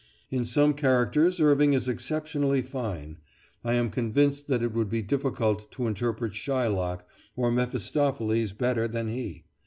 In some characters Irving is exceptionally fine. I am convinced that it would be difficult to interpret Shylock or Mephistopheles better than he.